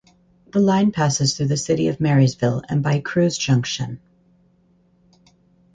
The line passes through the city of Marysville and by Kruse Jct.